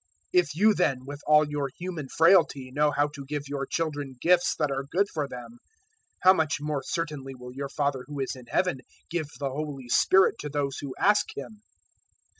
011:013 If you then, with all your human frailty, know how to give your children gifts that are good for them, how much more certainly will your Father who is in Heaven give the Holy Spirit to those who ask Him!"